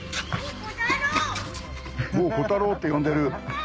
コタロウって呼んでる。